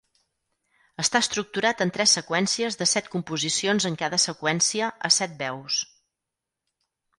Està estructurat en tres seqüències de set composicions en cada seqüència, a set veus.